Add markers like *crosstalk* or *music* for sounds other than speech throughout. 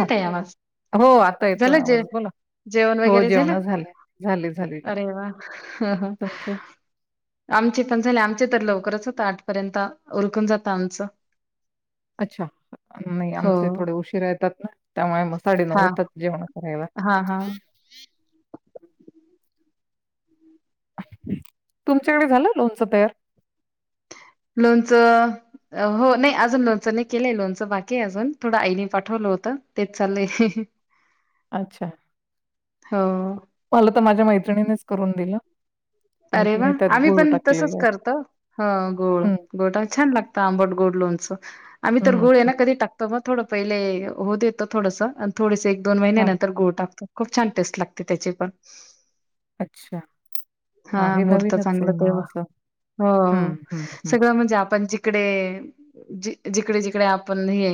हा ताई बोला, आवाज. हो आता येतोय झालं जे आवाज. बोला जेवण हो वगैरे झालं? जेवण झाले-झाले-झाले जेवण अरे वाह! हं, हं. तुमचे? आमचे पण झाले. आमचे तर लवकरच होत. आठपर्यंत उरकून जातं आमचं. अच्छा. नाही हो. आमचे थोडे उशीरा येतात ना त्यामुळे साडे नऊ होतात जेवण करायला. हा हा. तुमच्याकडे झालं लोनच तयार? लोणचं हो नाही अजून लोनचं नाही केलंय. लोनचं बाकी आहे अजून थोडं आईने पाठवलं होतं तेच चाललंय. *inaudible* अच्छा. हा. मला तर माझ्या मैत्रिणीनेच करून दिलं. पण अरे वा तिने त्यात आम्ही गुळ पण तसच टाकलेलं आहे करतो. ह गोळ हम्म गोड छान लागतं आंबट-गोड लोणचं आम्ही तर हम्म गुळ ये ना हम्म कधी टाकतो बग थोडं पहिले हो देतो थोडसं आणि थोडेस एक दोन महिन्या हा नंतर गुळ टाकतो. खूप छान टेस्ट लागते त्याची पण. अच्छा. हा हे मूर्त नवीनच आहे चांगलं मग तेव्हा, असं हम्म हो हम्म हम्म सगळं म्हणजे आपण जे इकडे ज जिकडे जिकडे आपण हे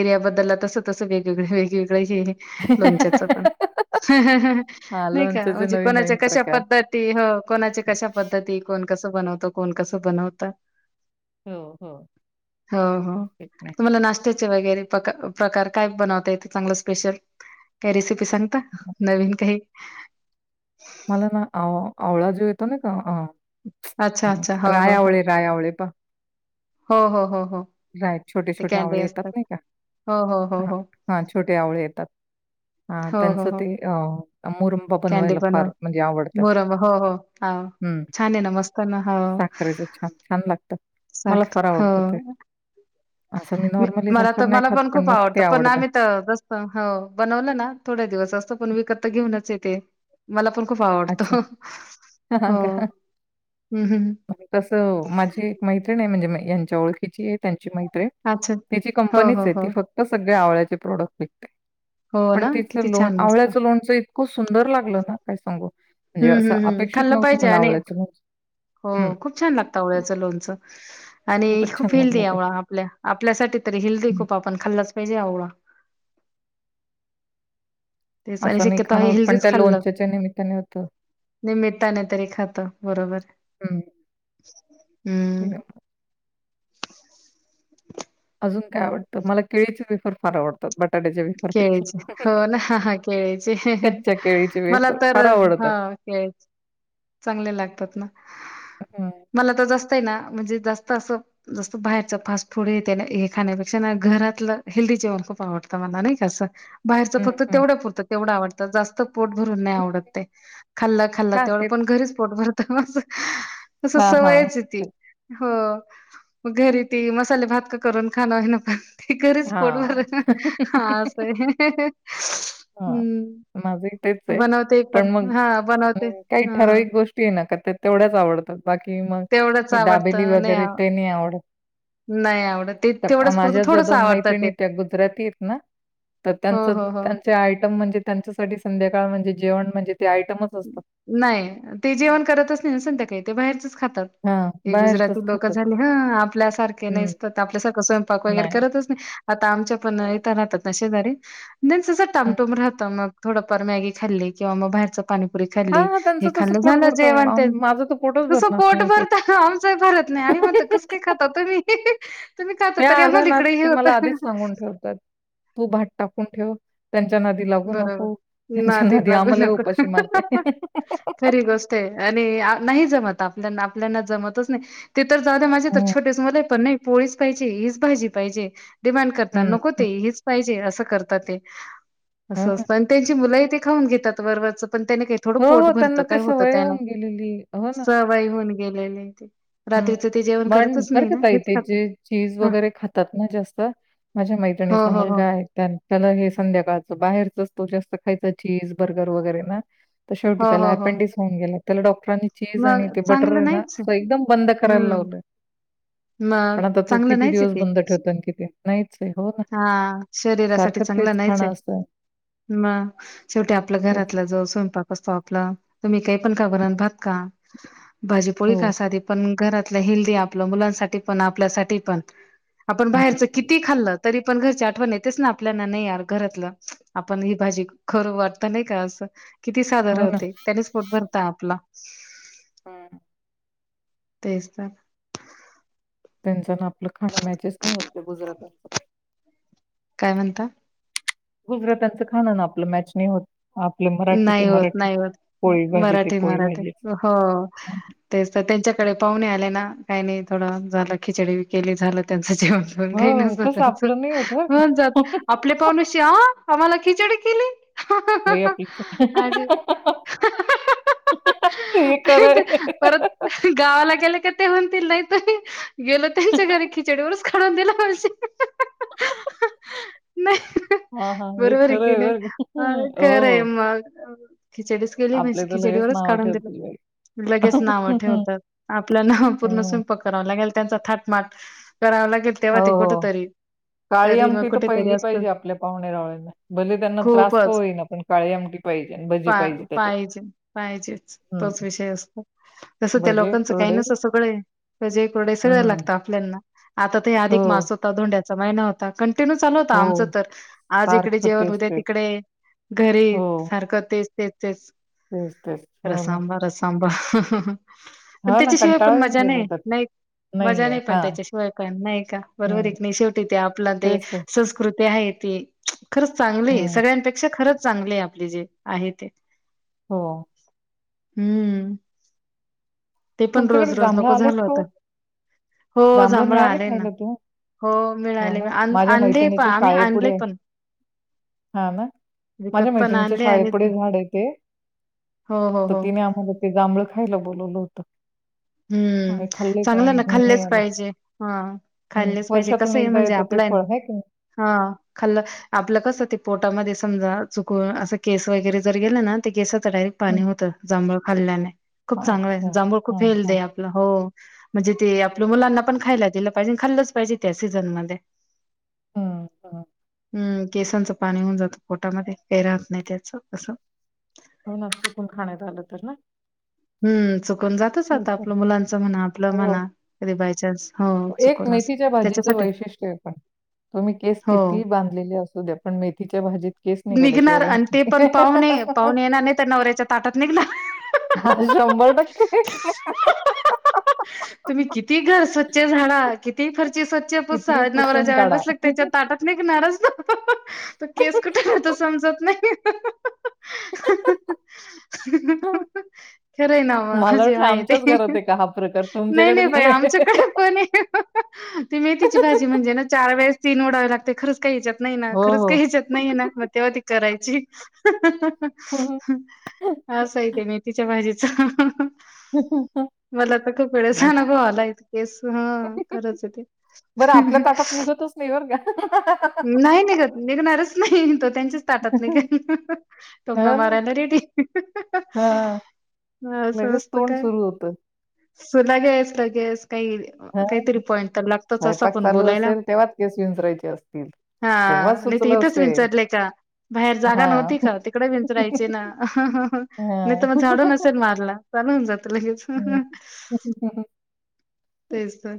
एरिया बद्दलला, तसं तसं वेगवेगळे वेगवेगळे हे लोणच्याच पण, हा नाही का लोणच्याचे म्हणजे नवीन नवीन कोणाच्या कशा प्रकार पद्धत ते ह कोणाचे कशा पद्धती, कोण कसं बनवतं कोण कसं बनवतं. हो हो हो हो, तेच ना. तुम्हाला नाश वगैरे प्रकार काय बनवता येतं चांगलं स्पेशल? काही रेसिपी सांगता, नवीन काही. मला ना, आव आवळा जेव येतो ना का अं अच्छा अच्छा हो राय हो हो आवळे राय आवळे पा हो हो हो हो. राईट, छोटे ते छोटे कॅनडी आवळे येतात असतात नाही का, हो हो हो ह हो हा छोटे आवळे येतात. हा हो हो त्यांचं हो ते, अ मुरंबा कॅन्डी बनवायला फार बनवून म्हणजे आवडतं. मोरंबा हो हो हाव हम्म,, छान आहे ना मस्त ना हो साखरेचं छान छान लागतं, मला साखर फार हो आवडतं ते. असं मी नॉर्मली मला साखर तर नाही मला खात, पण खूप मग ते आवडतं पण आम्ही तर हो बनवलं ना, थोड्या दिवस असतो पण विकत तर घेऊनच येते. मला पण खूप अच्छा. आवडतो, हो का? हम्म हम्म. तसं माझी एक मैत्रीिण आहे म्हणजे यांच्या ओळखीची आहे, त्यांची मैत अच्छा तिची हो हो कंपनीच आहे हो ती फक्त सगळे आवळ्याचे प्रोडक्ट विकते. हो पण ना किती तिचं लोण छान मस्त आवळ्याचं लोणच इतकं सुंदर लागलं ना, काय सांगू. म्हणजे हम्म असं हम्म हम्म अपेक्षित खाल्लं नव्हतं पाहिजे मला आणि आवळ्यांच लोणचं. हो हं. खूप छान लागतं आवळ्याचं लोणचं, आणि खूपच खूप छान हेल्दी लागलं ते. आवळा. आपल्या आपल्यासाठी तरी हिल्दी हं. खूप आपण खाल्लाच पाहिजे आव. तेच आणि असं नाही शक्यता खाणं हे होत, हेल पण तेच त्या खाल्लं. लोणच्याच्या निमित्ताने होतं. निमित्ताने नाही तरी खातो बरोबर हं. हम्म म्हणजे अजून काय आवडतं? मला केळीचे वेफर फार आवडतात. बटाट्याच्या केळीचे, वेफरपेक्षा. हो ना ह ह केळीचे कच्च्या केळीचे मला वेफर फार तर- आवडतात. हा ते चांगले लागतात ना, हं, मला तर जास्तय ना म्हणजे जास्त असं- जसं बाहेरच फास्ट फूड य हे खाण्यापेक्षा ना घरातलं हेल्दी जेवण खूप आवडतं मला नाही असं. बाहेरच हं, फक्त हं, तेवढं पुरतं तेवढं आवडतं जास्त पोट भरून नाही हं. आवडत ते खाल्ला खाल्ला हां, तेवढं. तेच. पण घरीच पोट भरत माझं तसं हां, हां. सवयच आहे ती. हो मग घरी ती मसाले भात का करून खाणं आहे ना पण- त घरीच पोट भर हां. हां असं आहे. हा हम्म माझं ही तेच आहे. बनवते पण मग हा बनवते काही- हा ठराविक गोष्टी आहे ना का तेवढ्याच आवडतात बाकी मग. तेवढंच दाबेली आवडतं नाही वगैरे आव ते नाही आवडत. नाही आवडत ते तेवढंच पुरतं माझ्या ज्या थोडंस दोन आवडतं ते मैत्रिणी त्या गुजराती आहेत ना. तर हो त्यांच हो हो. त्यांचे आयटम म्हणजे त्यांच्यासाठी संध्याकाळ म्हणजे जेवण म्हणजे ते आयटमच. असतात. नाही ते जेवण करतच नाही संध्याकाळी ते बाहेरचच खातात. हां, हे बाहेरचंच गुजराती लोक खातात. झाले ह आपल्यासारखे हं, नाहीसत आपल्यासारखं स्वयंपाक वगैरे नाही. करतच, आता आमच्या पण हं. इथ राहतात नशेजारी न तस हं. टामटुम राहत मग थोडंफार मॅग खल्ली किंवा मग बाहेरं. री खाल्ली हां, हां, हे त्यांचं तसं खाल्लं पोट झालं भरतं हो. जेवण आम माझं तर पोटच कस भरणार पोट नाही असं. भरतय आमच भरत नाही आम्ही- कसं काय खात तो म तुम्ही खात त्या तरी आल्या आम्हाला ना, इकडे ते ह मला होत. आधीच सांगून ठेवतात. तू भात टाकून ठेव त्यांच्या नदी लागू बरोबर नको ना त्यांच्या ते नदी लागू आम्हालाही नको उपाशी मारते. *inaudible* खरी गोष्ट आहे. आणि नाही जमत आपल्या आपल्याना जमतच नाही. ते तर जा माझे तर हं. छोटेच मला आहे पण नाही पोळीच पाहिजे हीच भाजी पाहिजे. डिमांड करतात हं, नको ते, हं. हीच पाहिजे असं करतात ते हो असं ना. असतं. आणि त्यांची मुलंही ते खाऊन घेतात बरबरचं पण त्याने काही थोडं हो, पोट हो. भरतं त्यांना काय ती होत सवय त्यान होऊन गेलेली. हो सवई होऊन गेलेले ते. हम्म. जेवण म्हन करतच बरं नाही का ना ताई हेच ते खातात जे चीज ह वगैरे खातात ना जास्त माझ्या हो मैत्रिणीचा हो हो मुलगा आहे. त्याला हे संध्याकाळचं बाहेरचच तो जास्त खायचा चीज बर्गर वगैरे ना. शेवटी हो हो त्याला हो. अपेंडिक्स होऊन गेले. त्याला डॉक्टरांनी चीज मग आणि ते बटर चांगलं आहे ना नाहीच एकदम. बंद करायला हम्म लावलं मग पण आ तू चांगलं किती नाहीच आहे दिवस ते. बंद ठेवत कि नाहीच हो. हा शरीरासाठी सारखं चांगलं तेच नाहीच आहे खाणं असतं. मग शेवटी आपल्या तेच घरातला जो स्वयंपाक असतो, आपला तुम्ही काही पण खबरत भात खा. भाजी पोळी हो. खा साधी पण घरातलं हेल्दी आपलं मुलांसाठी पण आपल्यासाठी पण आपण बाहेरच हं. किती खाल्ल. तरी पण घरची आठवण येतेच ना, आपल्याना नाही यार घरातलं आपण ही भाजी खरं वाटत नाही का असं. किती साधर हो ना. होते त्याने स् पोट भरता आपला हम्म तेचत त्यांचा ना आपलं खाण मॅचेस नाही होत गुजरात्याचं काय म्हणता? गुजरात्याचं खाण अन आपलं मॅच नाही होत. आपल मराठी ते नाही होत मराठीच, नाही पोळी भाजी ते पोळी भाजीच हा. तेच तर त्यांच्याकडे पाहुणे आले ना काही नाही थोडं झालं खिचडी ब केली झालं त्यांचं जेवण हो, तसं आपलं नाही होत बरं *unintelligible* होऊन जात का. आपली पाहुणी चहा, आम्हाला खिचडी केली बाई आपली आज, हे खरं आहे. परत गावाला गेले का ते म्हणतील नाही तो गेलो त्यांच्या घरी खिचडीवरच काढून दिल म्हणजे नाही हां, हां. हे बरोबर आहे खरं की नाय. बरं का. आ हो, खर आहे हो. मग खिचडीच केली आपले म्हणजे तर लगेच खिचडीवरच नावं काढून दिलं ठेवतील बाई. लगेच नाव हं. ठेवतात. आपल्या पूर्ण हो, स्वयंपाक करावा लागेल त्यांचा थाटमाट करावा लागेल तेव्हा ते कुठ हो. तरी काळी मग आमटी तर कुठेतरी पहिली असतं पाहिजे आपल्या पाहुणे रावळेना भले त्यांना त्रास का खूपच होईना पण काळी आमटी पहिली आणि भ पा पाहिजे पाहिजेच हं. तोच विषय असतो. जसं त्या भजे, लोकांचं काही कुरडे नसं सगळं आहे *unintelligible* हं. लागतात. त्यांना आता ते हो, अधिक मास होता धोंड्याचा महिना हो आता कंटिन्यू चालू होत आमचं हो. तर आज इकडे सारखं जेवण उद्या तेच-तेच. तिकडे घरी हो, सारखं तेच तेच तेच तेच-तेच. हो ना. रसांबा रसांबा पण हो ना, त्याच्याशिवाय पण कंटाळा येऊन मजा गेला नाही, होता. नाही. मजा नाहीये. नाही पण हां. त्याच्याशिवाय काय नाही का. बरोबर हं. आहे की नाही शेवटी ते आपलं ते तेच तर. संस्कृती आहे ती खरंच चांगली आहे हं. सगळ्यांपेक्षा खरंच चांगले आहे आपले जे आहे ते हो. हम्म ते पण रोज तुमच्याकडे रोज जांभळं नको आलेत झालं का होत हो? हो जांभळं जांभळ मिळाले आलंय ना खायला तुम्हा? हो हो मिळाली ना. आण आणली पण आम्ही आणले पण. हा ना. माझ्या विकत पण मैत्रिणीच्या आणले आणि शाळेपुढे झाड आहे ते हो हो तर हो तिने आम्हाला ते जांभळ खायला बोलवलं होतं. हम्म आम्ही खाल्ले पण चांगलं ना घेऊनही खाल्लेच आलो पाहिजे हा हम्म खाल्लेच पाहिजे वर्षातून कसं आहे एकदा म्हणजे येतात ते आपला फळ हाय की नाही. हा खाल्ल आपलं कसं ते पोटामध्ये समजा चुकून असं केस वगैरे जर गेलं ना ते केसात च डायरेक्ट पाणी हम्म. होतं जांभूळ खाल्ल्याने खूप चांगलं अच्छा आहे जांभूळ हा खूप हेल्दी हा. आहे हो म्हणजे ते आपल्या हम्म. मुलांना पण खायला दिलं पाहिजे आणि खाल्लंच पाहिजे त्या सीझन मध्ये. हा हा. हम्म केसांचं पाणी होऊन जातं पोटामध्ये काही राहत नाही त्याच असं हो ना चुकून खाण्यात आलं तर ना हम्म चुकून जात तच रहात तेच तर. आपलं मुलांच म्हणा आपलं हो. म्हणा कधी बाय चान्स हो एक चुकून अस मेथीच्या भाजीचं त्याच्यासाठी वैशिष्ट्य तुम्ही केस हो कितीही बांधलेले असू द्या, पण मेथीच्या भाजीत केस निघाल्याशिवाय निघणार राहत आणि ते नाही पण पाहुणे, पाहुणे येणार नाही तर नवऱ्याच्या ताटात निघणार. हां शंभर टक्के. तुम्ही कितीही घर स्वच्छ झाडा, कितीही फरची स्वच्छ पुसा कितीही नवरा पुसून जेवायला काढा बसला की त्याच्या ताटात निघणारच तो, तो केस कुठे राहतो समजत नाही खरं आहे ना, मला जे वाटलं आहे ते आमच्याच घरात आहे का हा प्रकार नाही तुमच्याकडे नाही बाई पण आहे आमच्याकडे ती मेथीची भाजी म्हणजे ना चार वेळेस ती निवडावे लागते खरंच काही याच्यात नाही ना हो, खरंच काही हेच्यात नाही ना मग तेव्हा ती करायची. हो. असं आहे त्या मेथीच्या भाजीच मला तर खूप वेळेस अनुभव आलाय. केस हां खरंच आहे ते. *unintelligible* निघतच नाही बरं का नाही निघत निघणारच नाही तो त्यांच्याच ताटात निघेल, टोमणा हो ना. मारायला रेडी. हां. हां अस लगेच असत तोंड काय सुरू होतं. सो लगेच लगेच काही हां. काहीतरी पॉइंट तर लागतच असं स्वयंपाक पण चालू बोलायला. असेल तेव्हाच केस विंचरायचे असतील. हां तेव्हाच नाही तर सुचलं इथेच असेल. विचारलंय का? बाहेर जागा हां. नव्हती का? तिकडे विंचारायचे ना, नाही तर हां. मग झाडू नसेल मारला. चालू होऊन जात लगेच, हं. तेच तर.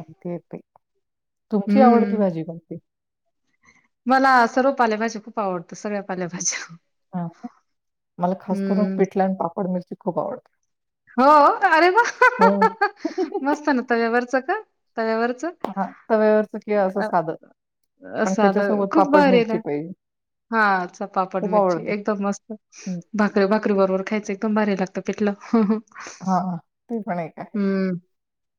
ओके ओके, तुमची आवडती हम्म भाजी कोणती? मला सर्व पालेभाज्या खूप आवडतं सगळ्या पाल्याभाज्या. हां मला खास करून पिठल अन पापड मिरची खूप आवडते. हो! अरे वाह हो. मस्त ना, तव्यावरचं का? तव्यावरचं? हां तव्यावरचं किंवा असं अ- साधं. पण साधं त्याच्यासोबत खूप पापड भारी आहे मिरची काय? पाहिजे. हां *unintelligible* पापड खूप मिरची आवडते. एकदम मस्त हं. भा करी, भाकरी बरोबर खायचं एकदम बारी लागतं पिठलं. हां ते पण एक आहे. हम्म.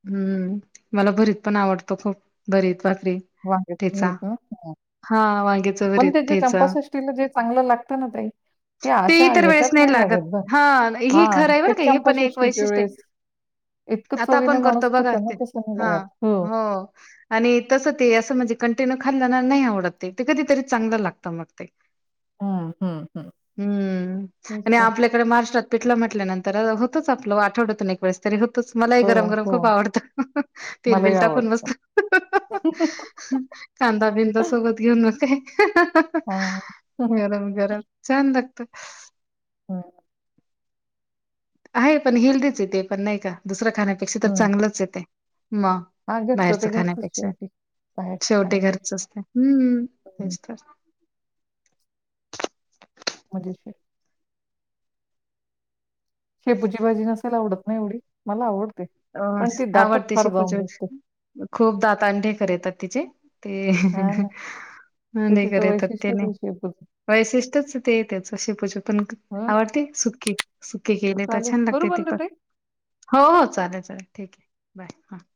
हम्म मला भरीत पण आवडतो खूप, भरीत भाकरी. वांग्याचं ठेचा. भरीत ना? हम्म. हा वांग्याच पण भरीत ते जे ठेचा चंपसष्टीला जे चांगलं लागत ना ताई ते अशा इतर ह्याच्यात वेळेस नाही लागत बरं, हा हे हां खरं आहे ते बरं का हे पण एक चंपषष्ठीच्या वैशिष्ट्य वेळेस. आहे इतकं आता चवीने आपण करतो माणूस बघा खातं ना ते. तसं नाही हा लागत, हो. आणि तसं ते असं म्हणजे कंटिन्यू खाल्ल ना नाही आवडत ते, ते कधीतरी चांगलं लागतं मग ते. हं, हं, हं. हम्म तेच आणि तर. आपल्याकडे महाराष्ट्रात पिठलं म्हटल्यानंतर अस आपलं आठवतून एक वेळेस. तरी होतच मलाही हो, गरम गरम हो. खूप आवडतं, तेल मलाही बिल टाकून आवडतं. मस्त. कांदा बिंदा सोबत घेऊन मग काय, हां. हं. गरम गरम. छान लागतं. हम्म आहे पण हेल्दीच आहे ते पण नाही का? दुसरं खाण्यापेक्षा तर चांगलंच आहे ते. मग हां, घरचं बाहेरच ते घरचंच खाण्यापेक्षा शेवटी बाहेरचं शेवटी खाण्यापेक्षा. घरचच ते हम्म हं, तेच तर. मजेशीर शेपूची भाजी नसेल आवडत ना एवढी? मला आवडते. अ पण ती दातात आवडते फार शेपूची जाऊन बसते. भाजी खूप दाताला ढेकर येता तिचे. ते हां ना. अ की नाही तिचं वैशिष्ट्यच करेेतत्यने आहे शेपूचं. वैशिष्ट्यच ते येतच अशी शेपूचं पण हो ना. आवडते सुकी सुकी केले तर चालेल. छान करू लागते ते बंद पण हो चालेल. चल ठीक आहे बाय हा.